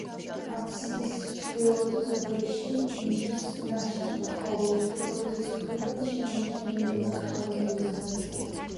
აფსიდის ჩრდილოეთის გვერდში ნიშის ნაშთია, ხოლო ჩრდილოეთის მხრიდან შემორჩენილია კანკელის ნაწილი.